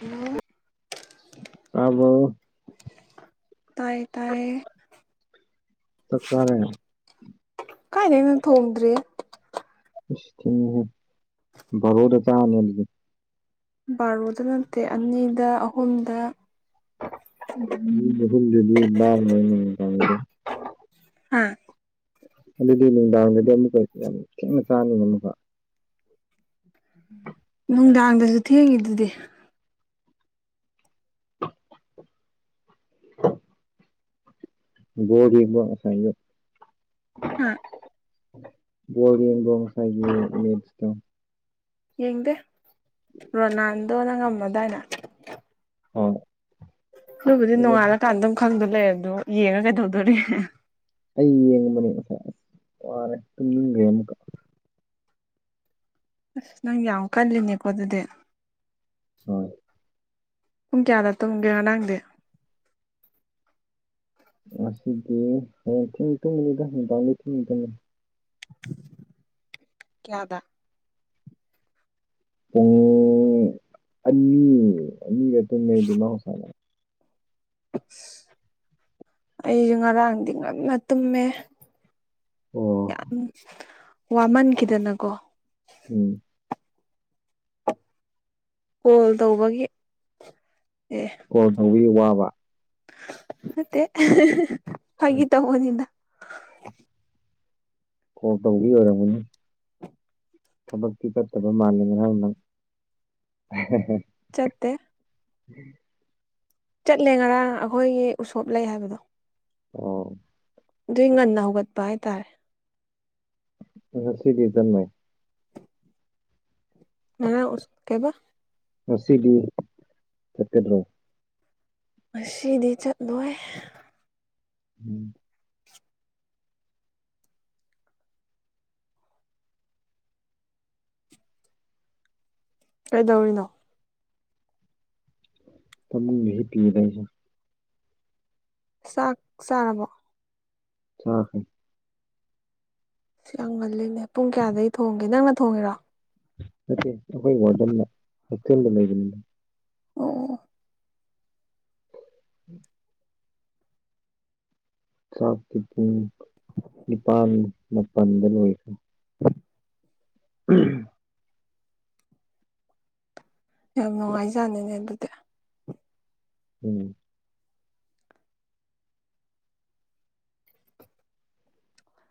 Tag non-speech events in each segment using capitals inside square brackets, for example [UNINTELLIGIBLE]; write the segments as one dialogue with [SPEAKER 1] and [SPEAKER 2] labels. [SPEAKER 1] Hello
[SPEAKER 2] ꯇꯥꯕ꯭ꯔꯣ
[SPEAKER 1] ꯇꯥꯏꯌꯦ ꯇꯥꯏꯌꯦ
[SPEAKER 2] ꯆꯥꯛ ꯆꯥꯔꯦ
[SPEAKER 1] ꯀꯥꯏꯗꯩꯅꯣ ꯊꯣꯡꯗ꯭ꯔꯤꯌꯦ
[SPEAKER 2] ꯏꯁ ꯊꯦꯡꯏꯍꯦ ꯕꯥꯔꯣꯗ ꯆꯥꯅꯤ ꯑꯗꯨꯗꯤ
[SPEAKER 1] ꯕꯥꯔꯣꯗ ꯅꯠꯇꯦ ꯑꯅꯤꯗ ꯑꯍꯨꯝꯗ
[SPEAKER 2] ꯎꯝ ꯁꯤ ꯃꯐꯝꯖꯦ ꯑꯗꯨꯝ ꯅꯥꯜꯂꯤꯅꯦ ꯅꯨꯃꯤꯗꯥꯡꯗꯗꯤ
[SPEAKER 1] ꯍꯥ
[SPEAKER 2] ꯑꯗꯨꯗꯤ ꯅꯨꯡꯗꯥꯡꯗꯗꯤ ꯑꯃꯨꯛꯀ ꯌꯥꯝ ꯊꯦꯡꯅ ꯆꯥꯅꯤꯕ ꯑꯃꯨꯛꯀ [INAUDIBLE] [UNINTELLIGIBLE]
[SPEAKER 1] ꯅꯨꯡꯗꯥꯡꯗꯁꯨ ꯊꯦꯡꯉꯤꯗꯨꯗꯤ
[SPEAKER 2] ꯕꯣꯜ ꯌꯦꯡꯕ꯭ꯔ ꯉꯁꯥꯏꯒꯤ
[SPEAKER 1] ꯍꯥ
[SPEAKER 2] ꯕꯣꯜ ꯌꯦꯡꯕ꯭ꯔꯣ ꯉꯁꯥꯏꯒꯤ ꯃꯦꯠꯁꯇꯣ
[SPEAKER 1] ꯌꯦꯡꯗꯦ ꯔꯣꯅꯥꯜꯗꯣꯅ ꯉꯝꯃꯗꯥꯏꯅ
[SPEAKER 2] ꯍꯣꯏ
[SPEAKER 1] ꯗꯨꯕꯨꯗꯤ ꯅꯣꯡꯉꯥꯜꯂꯀꯥꯟꯗ ꯑꯗꯨꯝ ꯈꯪꯗꯣ ꯂꯩꯔꯗꯨꯕꯨ ꯌꯦꯡꯉ ꯀꯩꯗꯧꯗꯣꯔꯤꯒꯦ
[SPEAKER 2] ꯑꯩ ꯌꯦꯡꯕꯅꯦ ꯉꯁꯥꯏ ꯑꯁ ꯋꯥꯔꯦ ꯇꯨꯝꯅꯤꯒ꯭ꯔꯦ ꯑꯃꯨꯛꯀ
[SPEAKER 1] ꯑꯁ ꯅꯪ ꯌꯥꯝ ꯀꯜꯂꯤꯅꯦꯀꯣ ꯑꯗꯨꯗꯤ
[SPEAKER 2] ꯍꯣꯏ
[SPEAKER 1] ꯄꯨꯡ ꯀꯌꯥꯗ ꯇꯨꯝꯒꯦ ꯉꯔꯥꯡꯗꯤ
[SPEAKER 2] ꯉꯁꯤꯗꯤ ꯍꯌꯦꯡ ꯊꯦꯡ ꯇꯨꯝꯒꯅꯤꯗ ꯅꯨꯡꯗꯥꯡꯗꯤ ꯊꯦꯡ ꯇꯨꯝꯃꯤ
[SPEAKER 1] ꯀꯌꯥꯗ
[SPEAKER 2] ꯄꯨꯡ ꯑꯅꯤ ꯑꯅꯤꯗ ꯇꯨꯝꯃꯦ ꯗꯨꯃ ꯉꯁꯥꯏ
[SPEAKER 1] ꯑꯩꯖꯨ ꯉꯔꯥꯡꯗꯤ ꯉꯟꯅ ꯇꯨꯝꯃꯦ
[SPEAKER 2] ꯑꯣ
[SPEAKER 1] ꯌꯥꯝ ꯋꯥꯃꯟꯈꯤꯗꯅꯀꯣ
[SPEAKER 2] ꯎꯝ
[SPEAKER 1] ꯀꯣꯜ ꯇꯧꯕꯒꯤ ꯑꯦ
[SPEAKER 2] ꯀꯣꯜ ꯇꯧꯕꯤꯒꯤ ꯋꯥꯕ
[SPEAKER 1] ꯅꯠꯇꯦ ꯐꯥꯒꯤ ꯇꯧꯕꯅꯤꯗ
[SPEAKER 2] ꯀꯣꯜ ꯇꯧꯕꯤ ꯑꯣꯏꯔꯝꯒꯅꯤ ꯊꯕꯛꯇꯤ ꯆꯠꯇꯕ ꯃꯥꯜꯂꯦ ꯉꯔꯥꯡ ꯅꯪ
[SPEAKER 1] ꯆꯠꯇꯦ
[SPEAKER 2] [UNINTELLIGIBLE]
[SPEAKER 1] ꯆꯠꯂꯦ ꯉꯔꯥꯡ ꯑꯩꯈꯣꯏꯒꯤ ꯎꯁꯣꯞ ꯂꯩ ꯍꯥꯏꯕꯗꯣ
[SPEAKER 2] ꯑꯣ
[SPEAKER 1] ꯗꯨꯏ ꯉꯟꯅ ꯍꯧꯒꯠꯄ ꯍꯥꯏꯇꯥꯔꯦ
[SPEAKER 2] ꯉꯁꯤꯗꯤ ꯆꯠꯅꯣꯏ
[SPEAKER 1] ꯉꯔꯥꯡ ꯎꯁ ꯀꯩꯕ
[SPEAKER 2] ꯉꯁꯤꯗꯤ ꯆꯠꯀꯗ꯭ꯔꯣ
[SPEAKER 1] ꯉꯁꯤꯗꯤ ꯆꯠꯂꯣꯏ
[SPEAKER 2] ꯎꯝ
[SPEAKER 1] ꯀꯩꯗꯧꯔꯤꯅꯣ
[SPEAKER 2] ꯐꯃꯨꯡꯗ ꯍꯤꯞꯄꯤꯌꯦꯗ ꯑꯩꯁꯨ
[SPEAKER 1] ꯆꯥꯛ ꯆꯥꯔꯕꯣ
[SPEAKER 2] ꯆꯥꯈ꯭ꯔꯦ
[SPEAKER 1] ꯁꯤ ꯌꯥꯝ ꯉꯜꯂꯤꯅꯦ ꯄꯨꯡ ꯀꯌꯥꯗꯩ ꯊꯣꯡꯒꯦ ꯅꯪꯅ ꯊꯣꯡꯉꯤꯔꯣ
[SPEAKER 2] ꯅꯠꯇꯦ ꯑꯩꯈꯣꯏ ꯋꯥꯔꯗꯟꯅ ꯍꯣꯁꯇꯦꯜꯗ ꯂꯩꯕꯅꯤꯅ
[SPEAKER 1] ꯑꯣ ꯑꯣ
[SPEAKER 2] ꯎꯝ ꯆꯥꯛꯇꯤ ꯄꯨꯡ ꯅꯤꯄꯥꯟ ꯃꯥꯄꯟꯗ ꯂꯣꯏꯈ꯭ꯔꯦ [UNINTELLIGIBLE]
[SPEAKER 1] ꯌꯥꯝ ꯅꯨꯡꯉꯥꯏꯖꯥꯅꯤꯅꯦ ꯑꯗꯨꯗꯤ
[SPEAKER 2] ꯎꯝ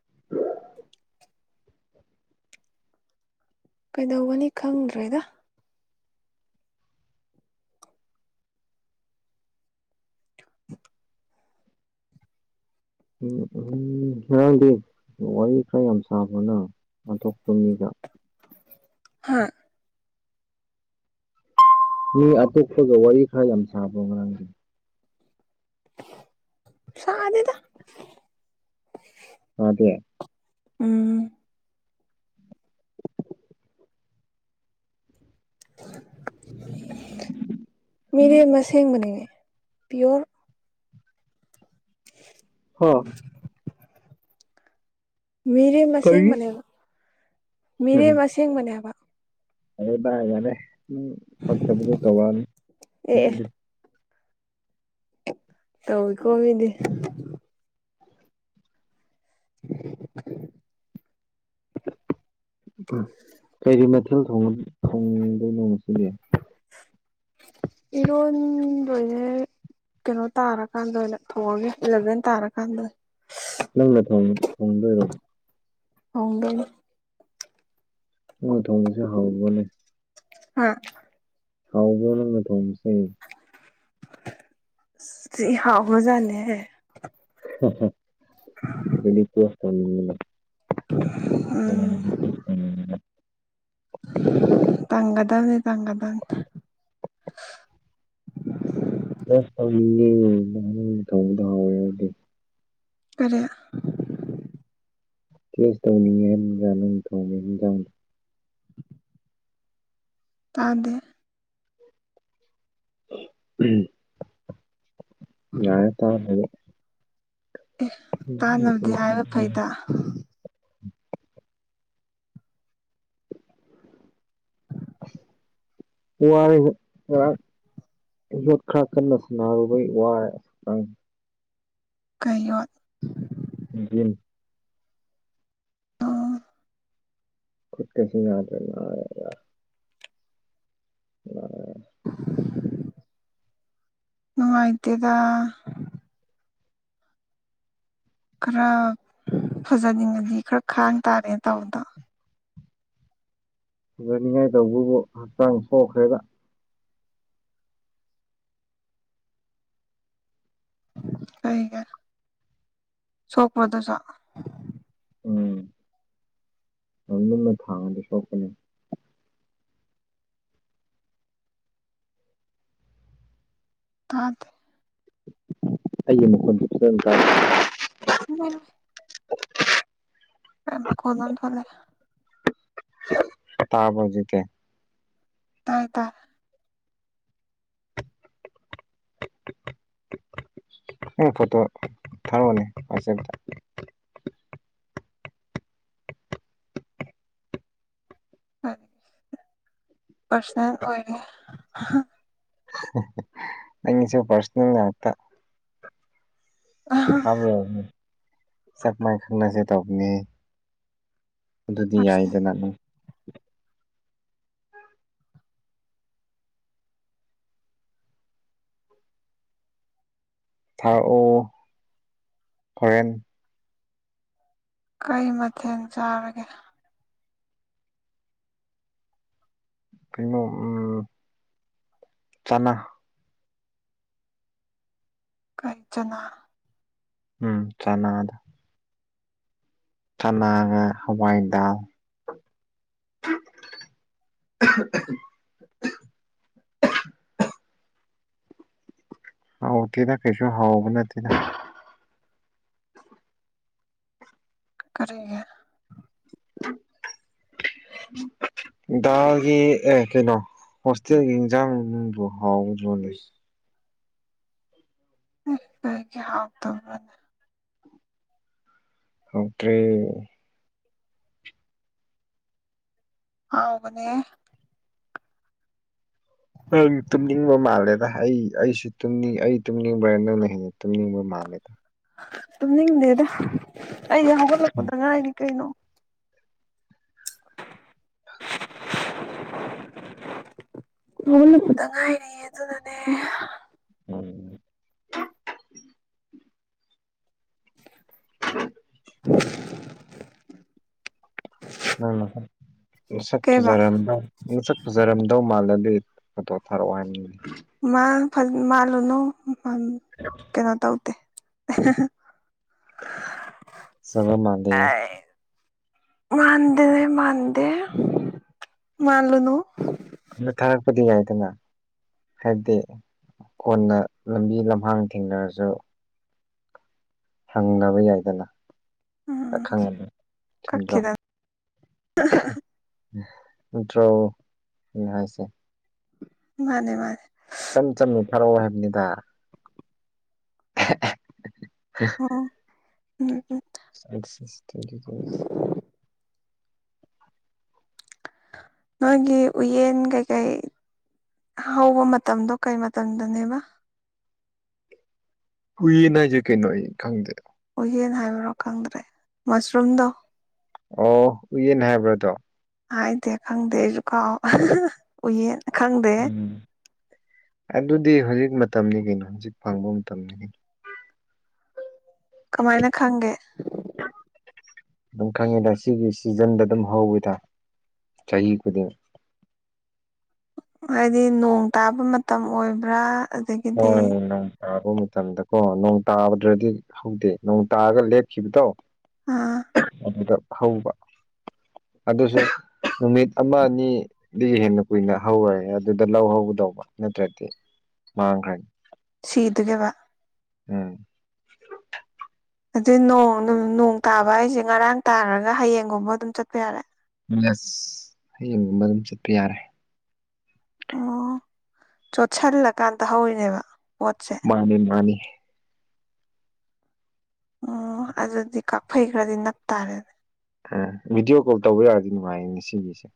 [SPEAKER 2] [UNINTELLIGIBLE]
[SPEAKER 1] ꯀꯩꯗꯧꯒꯅꯤ ꯈꯪꯗ꯭ꯔꯦꯗ
[SPEAKER 2] ꯎꯝ ꯎꯍꯨꯝ ꯉꯔꯥꯡꯗꯤ ꯋꯥꯔꯤ ꯈꯔ ꯌꯥꯝ ꯁꯥꯕ꯭ꯔꯣ ꯅꯪ ꯑꯟꯇꯣꯞꯄ ꯃꯤꯒ
[SPEAKER 1] ꯍꯥ
[SPEAKER 2] ꯃꯤ ꯑꯇꯣꯛꯞꯄꯒ ꯋꯥꯔꯤ ꯈꯔ ꯌꯥꯝ ꯁꯥꯕ꯭ꯔꯣ ꯉꯔꯥꯡꯗꯤ
[SPEAKER 1] ꯁꯥꯗꯦꯗ
[SPEAKER 2] ꯑꯗꯦ
[SPEAKER 1] ꯎꯝ ꯃꯤꯔꯦꯝ ꯑꯁꯦꯡꯕꯅꯦ ꯄꯤꯌꯣꯔ
[SPEAKER 2] ꯍ
[SPEAKER 1] ꯃꯤꯔꯦꯝ
[SPEAKER 2] ꯀꯔꯤ
[SPEAKER 1] ꯑꯁꯦꯡꯕꯅꯦꯕ ꯃꯤꯔꯦꯝ ꯑꯁꯦꯡꯕꯅꯦ ꯍꯥꯕ
[SPEAKER 2] ꯑꯔꯦ ꯚꯥꯏ ꯌꯥꯔꯦ ꯅꯪ ꯄꯛꯇꯕꯗꯣ ꯇꯧꯔꯛꯑꯅꯤ
[SPEAKER 1] ꯑꯦ
[SPEAKER 2] ꯅꯪꯒꯤ
[SPEAKER 1] ꯇꯧꯋꯤꯀꯣ ꯃꯤꯗꯤ [UNINTELLIGIBLE]
[SPEAKER 2] ꯎꯝ ꯀꯩ ꯀꯩ ꯃꯊꯦꯜ ꯊꯣꯡꯉ ꯊꯣꯡꯗꯣꯏꯅꯣ ꯉꯁꯤꯝꯗꯤ
[SPEAKER 1] ꯏꯔꯣꯟ ꯗꯣꯏꯅꯦ ꯀꯩꯅꯣ ꯇꯥꯔꯀꯥꯟꯗ ꯑꯣꯏꯅ ꯊꯣꯡꯑꯒꯦ ꯏꯂꯚꯦꯟ ꯇꯥꯔ ꯀꯥꯟꯗ ꯑꯣꯏ
[SPEAKER 2] ꯅꯪꯂ ꯊꯣꯡꯒꯦ ꯊꯣꯡꯗꯣꯏꯔꯣ
[SPEAKER 1] ꯍꯣꯡꯗꯣꯏꯅꯤ
[SPEAKER 2] ꯉꯥ ꯊꯣꯡꯕꯁꯦ ꯍꯥꯎꯕꯣꯅꯦ
[SPEAKER 1] ꯍꯥ
[SPEAKER 2] ꯍꯥꯎꯕ꯭ꯔꯣ ꯅꯪꯅ ꯊꯣꯡꯕꯁꯦ
[SPEAKER 1] ꯁꯤ ꯍꯥꯎꯒ꯭ꯔꯖꯟꯅꯦꯍꯦ
[SPEAKER 2] ꯑꯗꯨꯗꯤ ꯇꯣꯁ ꯆꯅꯤꯡꯉꯦꯕ
[SPEAKER 1] ꯎꯝ
[SPEAKER 2] [UNINTELLIGIBLE]
[SPEAKER 1] ꯇꯥꯡꯒꯥꯗꯝꯅꯦ ꯇꯥꯡꯒꯥꯗꯝ
[SPEAKER 2] ꯑꯁ ꯊꯧꯔꯤꯅꯤꯅꯦ ꯅꯪꯅ ꯇꯧꯕ ꯗꯥꯎ [UNINTELLIGIBLE]
[SPEAKER 1] ꯀꯔꯦ
[SPEAKER 2] ꯀꯦꯁ ꯇꯧꯅꯤꯡꯉꯦ ꯍꯥꯏꯝꯅꯤꯗ ꯅꯪꯅ ꯊꯣꯡꯕ ꯏꯟꯖꯥꯡ
[SPEAKER 1] ꯇꯥꯗꯦ
[SPEAKER 2] ꯌꯥꯔꯦ ꯇꯗ꯭ꯔꯖꯨ
[SPEAKER 1] ꯑꯦ
[SPEAKER 2] ꯎꯝ
[SPEAKER 1] ꯇꯥꯟꯅꯕꯗꯤ
[SPEAKER 2] ꯎꯝ
[SPEAKER 1] ꯍꯥꯏꯕ ꯐꯩꯗ
[SPEAKER 2] ꯋꯥꯏꯌꯦꯕ ꯉꯔꯥꯡ ꯌꯣꯠ ꯈ꯭ꯔ ꯀꯟꯅ ꯁꯥꯟꯅꯔꯨꯕꯩ ꯋꯥꯔꯦ ꯆꯡ
[SPEAKER 1] ꯀꯩꯌꯣꯠ
[SPEAKER 2] ꯖꯤꯝ ꯈꯨꯨꯠ ꯀꯁꯦ ꯌꯥꯗ꯭ꯔꯦ ꯅꯔꯦꯔ ꯑꯣ
[SPEAKER 1] [INAUDIBLE] ꯅꯨꯡꯉꯥꯏꯇꯦꯗ꯫ ꯈꯔ ꯐꯖꯅꯤꯡꯉꯗꯤ ꯈꯔ ꯈꯥꯡ ꯇꯥꯔꯦ ꯇꯧꯕꯗꯣ꯫
[SPEAKER 2] ꯐꯖꯅꯤꯡꯉꯥꯏ ꯇꯧꯕꯕꯨ ꯍꯛꯆꯥꯡ ꯁꯣꯛꯈ꯭ꯔꯦꯗ꯫
[SPEAKER 1] ꯀꯩꯒꯤ ꯁꯣꯛꯄꯔꯣ ꯗꯨꯖꯨ ꯫
[SPEAKER 2] ꯎꯝ ꯌꯥꯝ ꯂꯨꯝꯅ ꯊꯥꯡꯉꯗꯤ ꯁꯣꯛꯄꯅꯤ꯫
[SPEAKER 1] ꯇꯥꯗꯦ
[SPEAKER 2] ꯑꯩꯒꯤ ꯃꯈꯣꯟꯗ ꯈꯤꯇꯪ ꯇꯥ
[SPEAKER 1] ꯏꯃꯥꯏ ꯃꯩ ꯑ ꯃꯈꯣꯜ ꯑꯝ ꯊꯣꯛꯂꯦ
[SPEAKER 2] ꯇꯥꯔꯕꯣ ꯍꯨꯖꯤꯛꯇꯤ
[SPEAKER 1] ꯇꯥꯔꯦ ꯇꯥ
[SPEAKER 2] ꯅꯪ ꯐꯣꯇꯣ ꯊꯔꯛꯑꯣꯅꯦ ꯋꯥꯠꯆꯦꯞꯇ
[SPEAKER 1] ꯍꯣꯏ ꯄꯔꯁꯅꯦꯜ ꯑꯣꯏꯔꯦ
[SPEAKER 2] ꯅꯡꯒꯤꯁꯨ ꯄꯔꯁꯅꯦꯜ ꯉꯥꯛꯇ ꯊꯥꯕꯔꯣ ꯁꯥꯛꯃꯥꯏ ꯈꯪꯅꯁꯦ ꯇꯧꯕꯅꯦ꯫ ꯑꯗꯨꯗꯤ
[SPEAKER 1] ꯄꯥꯔꯁꯣꯅꯦꯜ
[SPEAKER 2] ꯌꯥꯏꯗꯅ ꯗꯨꯝ ꯊꯥꯔꯛꯑꯣ ꯍꯣꯔꯦꯟ
[SPEAKER 1] ꯀꯩ ꯃꯊꯦꯟ ꯆꯥꯔꯒꯦ?
[SPEAKER 2] ꯀꯩꯅꯣ ꯎꯝ ꯆꯅꯥ꯫
[SPEAKER 1] ꯀꯩꯆꯅꯥ꯫
[SPEAKER 2] ꯎꯝ ꯆꯅꯥꯗꯣ꯫ ꯆꯟꯅꯥꯒ ꯍꯋꯥꯏ ꯗꯥꯜ ꯍꯥꯎꯇꯦꯗ ꯀꯩꯁꯨ ꯍꯥꯎꯕ ꯅꯠꯇꯦꯗ
[SPEAKER 1] ꯀꯔꯤꯒꯤ
[SPEAKER 2] ꯗꯥꯜꯒꯤ ꯑꯦ ꯀꯩꯅꯣ꯫ ꯍꯣꯁꯇꯦꯜꯒꯤ ꯏꯟꯖꯥꯥꯡꯕꯨ ꯍꯥꯎꯒꯗ꯭ꯔꯣꯅꯦ?
[SPEAKER 1] ꯀꯩꯒꯤ ꯍꯥꯥꯎꯇꯕꯔ꯭ꯅꯦ꯫
[SPEAKER 2] ꯍꯥꯎꯇꯔ꯭ꯦ꯫
[SPEAKER 1] ꯍꯥꯎꯕꯅꯦ꯫
[SPEAKER 2] ꯅꯪ ꯇꯨꯝꯅꯤꯡꯕ ꯃꯥꯜꯂꯦꯗ ꯑꯩ ꯑꯁꯨ ꯇꯨꯝꯅꯤꯡ ꯑꯩ ꯇꯨꯝꯅꯤꯡꯕ꯭ꯔꯥ ꯅꯪꯅ ꯍꯦꯟꯅ ꯇꯨꯝꯅꯤꯡꯕ ꯃꯥꯜꯂꯦꯗ꯫
[SPEAKER 1] ꯇꯨꯝꯅꯤꯡꯗꯦꯗ ꯑꯩꯗꯤ ꯍꯧꯒꯠꯂꯛꯄꯗ ꯉꯥꯏꯔꯤ ꯀꯩꯅꯣ꯫ [INAUDIBLE] ꯍꯎꯒꯠꯂꯛꯄꯗ ꯉꯥꯏꯔꯤ꯫ ꯌꯦ ꯑꯗꯨꯅꯅꯦ꯫
[SPEAKER 2] ꯎꯝ ꯅꯪ ꯅꯁꯛ ꯅꯁꯛ
[SPEAKER 1] ꯀꯩꯕ
[SPEAKER 2] ꯐꯖꯔꯝꯕꯔꯣ? ꯅꯁꯛ ꯐꯖꯔꯝꯗꯧ ꯃꯥꯜꯂꯗꯤ ꯐꯣꯇꯣ ꯊꯥꯔꯛꯑꯣ ꯍꯥꯏꯝꯅꯤ ꯫
[SPEAKER 1] ꯃꯥ ꯐ ꯃꯥꯜꯂꯨꯅꯣ ꯎꯝ ꯫
[SPEAKER 2] [INAUDIBLE]
[SPEAKER 1] ꯀꯩꯅꯣ ꯇꯧꯇꯦ꯫
[SPEAKER 2] ꯐꯖꯕ ꯃꯥꯜꯂꯤ
[SPEAKER 1] ꯑꯥꯏ ꯃꯥꯥꯟꯗꯔꯦ ꯃꯥꯥꯟꯗꯦ ꯃꯜꯂꯨꯅꯨ꯫
[SPEAKER 2] ꯗꯨ ꯊꯥꯔꯛꯄꯗꯤ ꯌꯥꯏꯗꯅ꯫ ꯍꯥꯏꯗꯤ ꯀꯣꯟꯅ ꯂꯝꯕꯤ ꯂꯝꯍꯥꯡ ꯊꯦꯡꯅꯔꯁꯨ ꯍꯪꯅꯕ ꯌꯥꯏꯗꯅ
[SPEAKER 1] ꯎꯝ
[SPEAKER 2] ꯑꯈꯪ ꯊꯤꯟꯕ꯭ꯔꯣ
[SPEAKER 1] ꯀꯛꯈꯤꯗꯅ
[SPEAKER 2] ꯅꯇ꯭ꯔꯣ ꯑꯩꯅ ꯍꯥꯏꯁꯦ
[SPEAKER 1] ꯃꯥꯅꯦ ꯃꯥꯅꯦ
[SPEAKER 2] ꯏꯆꯝ ꯆꯝꯅ ꯊꯥꯔꯛꯑꯣ ꯍꯥꯏꯕꯅꯤꯗ
[SPEAKER 1] ꯑꯣ ꯎꯝ ꯎꯝ
[SPEAKER 2] [UNINTELLIGIBLE]
[SPEAKER 1] ꯅꯣꯏꯒꯤ ꯎꯌꯦꯟ ꯀꯩꯀꯩ ꯍꯧꯕ ꯃꯇꯝꯗꯣ ꯀꯩ ꯃꯇꯝꯗꯅꯦꯕ
[SPEAKER 2] ꯎꯌꯦꯟ ꯍꯥꯏꯁꯦ ꯀꯩꯅꯣ ꯑꯩ ꯈꯪꯗꯦ
[SPEAKER 1] ꯎꯌꯦꯟ ꯍꯥꯏꯕ꯭ꯔꯣ ꯈꯪꯗ꯭ꯔꯦ ꯃꯁꯔꯨꯝꯗꯣ
[SPEAKER 2] ꯑꯣ ꯎꯌꯦꯟ ꯍꯥꯏꯕ꯭ꯔꯥ ꯑꯗꯣ
[SPEAKER 1] ꯍꯥꯏꯗꯦ ꯈꯪꯗꯦ ꯑꯩꯖꯨꯀꯥꯎ ꯑꯥꯍꯑꯥꯍ ꯎꯌꯦꯟ ꯈꯪꯗꯦ
[SPEAKER 2] ꯎꯝ ꯑꯗꯨꯗꯤ ꯍꯧꯖꯤꯛ ꯃꯇꯝꯅꯤ ꯀꯩꯅꯣ ꯍꯧꯖꯤꯛ ꯐꯪꯕ ꯃꯇꯝꯅꯤ ꯀꯩꯅꯣ
[SPEAKER 1] ꯀꯃꯥꯏꯅ ꯈꯪꯒꯦ
[SPEAKER 2] ꯑꯗꯨꯝ ꯈꯪꯉꯤꯗ ꯁꯤꯒꯤ ꯁꯤꯖꯟꯗ ꯑꯗꯨꯝ ꯍꯧꯋꯤꯗ ꯆꯍꯤ ꯈꯨꯗꯤꯡ
[SPEAKER 1] ꯍꯥꯏꯗꯤ ꯅꯣꯡ ꯇꯥꯕ ꯃꯇꯝ ꯑꯣꯏꯕ꯭ꯔꯥ ꯑꯗꯒꯤ
[SPEAKER 2] ꯍꯣꯏ ꯅꯣꯡ ꯇꯥꯕ ꯃꯇꯝꯗꯀꯣ ꯅꯣꯡ ꯇꯥꯕꯗ꯭ꯔꯗꯤ ꯍꯧꯗꯦ ꯅꯣꯡ ꯇꯥꯔꯒ ꯂꯦꯞꯈꯤꯕꯗꯣ
[SPEAKER 1] ꯑꯥ
[SPEAKER 2] ꯑꯗꯨꯗ ꯍꯧꯕ ꯑꯗꯨꯁꯨ ꯅꯨꯃꯤꯠ ꯑꯃ ꯑꯅꯤ ꯗꯤ ꯍꯦꯟꯅ ꯀꯨꯏꯅ ꯍꯧꯋꯦ ꯑꯗꯨꯗ ꯂꯧ ꯍꯧꯒꯗꯧꯕ ꯅꯠꯇ꯭ꯔꯗꯤ ꯃꯥꯥꯡꯈ꯭ꯔꯦ
[SPEAKER 1] ꯁꯤꯗꯨꯒꯦꯕ
[SPEAKER 2] ꯎꯝ
[SPEAKER 1] ꯑꯗꯨꯏ ꯅꯣꯡ ꯅꯨ ꯅꯣꯡ ꯇꯥꯕ ꯍꯥꯏꯁꯦ ꯉꯔꯥꯡ ꯇꯥꯔꯒ ꯍꯌꯦꯡꯒꯨꯝꯕ ꯑꯗꯨꯝ ꯆꯠꯄ ꯌꯥꯔꯦ
[SPEAKER 2] ꯌꯦꯁ ꯍꯌꯦꯡꯒꯨꯝꯕ ꯑꯗꯨꯝ ꯆꯠꯄ ꯌꯥꯔꯦ
[SPEAKER 1] ꯑꯣ ꯆꯣꯠꯁꯤꯜꯂꯀꯥꯟꯗ ꯍꯧꯔꯤꯅꯦꯕ ꯄꯣꯠꯁꯦ
[SPEAKER 2] ꯃꯥꯅꯤ ꯃꯥꯅꯤ
[SPEAKER 1] ꯑꯣ ꯑꯗꯨꯗꯤ ꯀꯥꯛꯐꯩ ꯈꯔꯗꯤ ꯅꯞꯇꯥꯥꯔꯦꯅꯦ
[SPEAKER 2] ꯑ ꯚꯤꯗꯤꯑꯣ ꯀꯣꯜ ꯇꯧꯕ ꯌꯥꯔꯗꯤ ꯅꯨꯡꯉꯥꯏꯅꯤ ꯁꯤꯒꯤꯁꯦ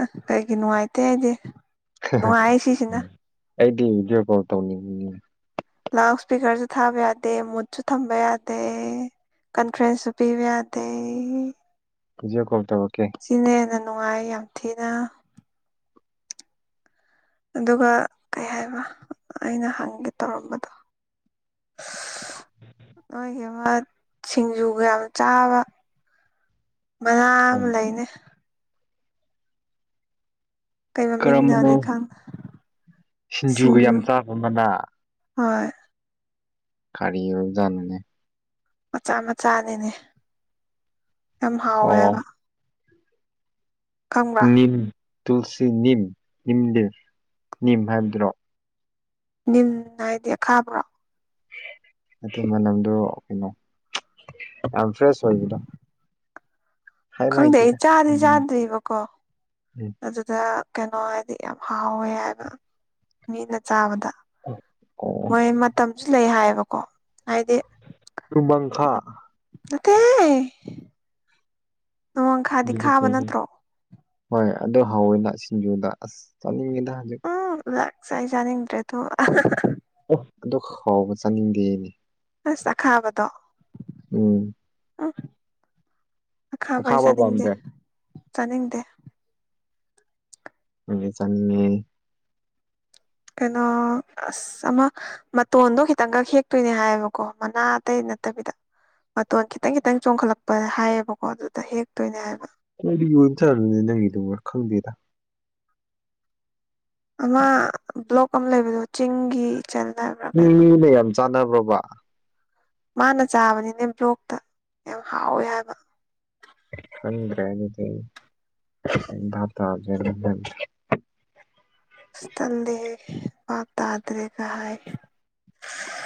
[SPEAKER 1] ꯑ ꯀꯩꯒꯤ ꯅꯨꯡꯉꯥꯏꯇꯦ ꯑꯩꯗꯤ
[SPEAKER 2] ꯈꯍꯦ
[SPEAKER 1] ꯅꯨꯡꯉꯥꯏ ꯁꯤꯁꯤꯅ
[SPEAKER 2] ꯎꯝ ꯑꯩꯗꯤ ꯚꯤꯗꯤꯑꯣ ꯀꯣꯜ ꯇꯧꯅꯤꯡꯉꯤ
[SPEAKER 1] ꯂꯥꯎꯠ ꯁ꯭ꯄꯤꯀꯔꯁꯨ ꯊꯥꯕ ꯌꯥꯗꯦ ꯃꯨꯠꯁꯨ ꯊꯝꯕ ꯌꯥꯗꯦ ꯀꯟꯐ꯭ꯔꯦꯟꯁꯁꯨ ꯄꯤꯕ ꯌꯥꯗꯦ
[SPEAKER 2] ꯚꯤꯗꯤꯑꯣ ꯀꯣꯜ ꯇꯧꯔꯛꯀꯦ
[SPEAKER 1] ꯁꯤꯅ ꯍꯦꯟꯅ ꯅꯨꯡꯉꯥꯏ ꯌꯥꯝ ꯊꯤꯅ ꯑꯗꯨꯒ ꯀꯩ ꯍꯥꯏꯕ ꯑꯩꯅ ꯍꯪꯒꯦ ꯇꯧꯔꯝꯕꯗꯣ ꯅꯣꯏꯒꯤ ꯑꯃ ꯁꯤꯡꯖꯨꯒ ꯌꯥꯝ ꯆꯥꯕ ꯃꯅꯥ ꯑꯃ ꯂꯩꯥꯅꯦ ꯀꯩ
[SPEAKER 2] ꯀꯔꯝꯕꯅꯣ
[SPEAKER 1] ꯃꯃꯤꯡꯅꯣꯗꯤ ꯈꯪ
[SPEAKER 2] ꯁꯤꯡꯖꯨꯒ
[SPEAKER 1] ꯁꯤꯡꯖꯨ
[SPEAKER 2] ꯌꯥꯝ ꯆꯥꯕ ꯃꯅꯥ
[SPEAKER 1] ꯍꯣꯏ
[SPEAKER 2] ꯀꯔꯤ ꯑꯣꯏꯕꯖꯥꯠꯅꯣꯅꯦ
[SPEAKER 1] ꯃꯆꯥ ꯃꯆꯥꯅꯤꯅꯦ ꯌꯥꯝ ꯍꯥꯎꯋꯦ
[SPEAKER 2] ꯑꯣ
[SPEAKER 1] ꯍꯥꯏꯕ ꯈꯪꯕ꯭ꯔꯥ
[SPEAKER 2] ꯅꯤꯝ ꯇꯨꯜꯁꯤ ꯅꯤꯝ ꯅꯤꯝ ꯗꯤ ꯅꯤꯝ ꯍꯥꯏꯕꯗꯨꯔꯣ
[SPEAKER 1] ꯅꯤꯝ ꯍꯥꯏꯗꯤ ꯑꯈꯥꯕ꯭ꯔꯣ
[SPEAKER 2] ꯑꯗꯨ ꯃꯅꯝꯗꯨ ꯀꯩꯅꯣ ꯌꯥꯝ ꯐ꯭ꯔꯦꯁ ꯑꯣꯏꯕꯗꯣ ꯍꯥꯏꯕ
[SPEAKER 1] ꯈꯪꯗꯦ ꯑꯩ
[SPEAKER 2] ꯍꯩꯇꯦꯗ
[SPEAKER 1] ꯆꯥꯗꯤ
[SPEAKER 2] ꯎꯝ
[SPEAKER 1] ꯆꯥꯗ꯭ꯔꯤꯕꯀꯣ
[SPEAKER 2] ꯎꯝ.
[SPEAKER 1] ꯑꯗꯨꯗ ꯀꯩꯅꯣ ꯍꯥꯏꯗꯤ ꯌꯥꯝ ꯍꯥꯎꯋꯦ ꯍꯥꯏꯕ ꯃꯤꯅ ꯆꯥꯕꯗ
[SPEAKER 2] ꯑꯣ
[SPEAKER 1] ꯃꯣꯏ ꯃꯇꯝꯁꯨ ꯂꯩ ꯍꯥꯏꯌꯦꯕꯀꯣ ꯍꯥꯏꯗꯤ
[SPEAKER 2] ꯇꯨꯃꯪꯈꯥ
[SPEAKER 1] ꯅꯠꯇꯦꯍꯥꯏ
[SPEAKER 2] ꯑꯗꯨꯗꯤ
[SPEAKER 1] ꯈꯥꯕ
[SPEAKER 2] ꯀꯩꯅꯣ
[SPEAKER 1] ꯅꯠꯇ꯭ꯔꯣ
[SPEAKER 2] ꯍꯣꯏ ꯑꯗꯨ ꯍꯥꯎꯋꯦꯅ ꯁꯤꯡꯖꯨꯗ ꯑꯁ ꯆꯥꯅꯤꯡꯉꯦꯗ ꯍꯧꯖꯤꯛ
[SPEAKER 1] ꯎ ꯋꯦꯛ ꯆꯥꯗꯤ ꯆꯥꯅꯤꯡꯗ꯭ꯔꯦ ꯑꯗꯨ
[SPEAKER 2] ꯑꯣ ꯑꯗꯨꯛ ꯍꯥꯎꯕ ꯆꯥꯅꯤꯡꯗꯦꯅꯦ
[SPEAKER 1] ꯑꯁ ꯑꯈꯥꯕꯗꯣ
[SPEAKER 2] ꯎꯝ
[SPEAKER 1] ꯎꯪ ꯑꯈꯥꯕ ꯑꯩ ꯆꯥꯅꯤꯡꯗꯦ ꯆꯥꯅꯤꯡꯗꯦ
[SPEAKER 2] ꯑꯪꯗꯤ ꯆꯥꯅꯤꯡꯉꯦꯍꯦ
[SPEAKER 1] ꯀꯩꯅꯣ ꯑꯁ ꯑꯃ ꯃꯇꯣꯟꯗꯣ ꯈꯤꯇꯪꯒ ꯍꯦꯛꯇꯣꯏꯅꯦ ꯍꯥꯏꯌꯦꯕꯀꯣ ꯃꯅꯥ ꯑꯇꯩ ꯅꯠꯇꯕꯤꯗ ꯃꯇꯣꯟ ꯈꯤꯇꯪ ꯈꯤꯇꯪ ꯆꯣꯡꯈꯠꯂꯛꯄ ꯍꯥꯏꯌꯦꯕꯀꯣ ꯑꯗꯨꯗ ꯍꯦꯛꯇꯣꯏꯅꯦ ꯍꯥꯏꯕ
[SPEAKER 2] ꯀꯔꯤ ꯑꯣꯏꯕ ꯆꯥꯠꯂꯅꯦ ꯅꯪꯒꯤꯗꯨꯕꯨ ꯈꯪꯗꯦꯗ
[SPEAKER 1] ꯑꯃ ꯕ꯭ꯂꯣꯛ ꯑꯝ ꯂꯩꯕꯗꯣ ꯆꯤꯡꯒꯤ ꯏꯆꯜꯅ ꯑꯃ
[SPEAKER 2] [UNINTELLIGIBLE] ꯌꯥꯝ ꯆꯥꯟꯅꯕ꯭ꯔꯣꯕ
[SPEAKER 1] ꯃꯥꯅ ꯆꯥꯕꯅꯤꯅꯦ ꯕ꯭ꯂꯣꯛꯇ ꯌꯥꯝ ꯍꯥꯎꯋꯦ ꯍꯥꯏꯕ
[SPEAKER 2] ꯈꯗ꯭ꯔꯦ ꯑꯗꯨꯗꯤ ꯑꯩ ꯚꯥꯞ ꯇꯥꯗ꯭ꯔꯦ ꯑꯗꯨꯗꯤ ꯌꯝ
[SPEAKER 1] ꯑꯁ ꯇꯜꯂꯤꯍꯦ ꯚꯥꯞ ꯇꯥꯗ꯭ꯔꯦꯒ ꯍꯥꯏ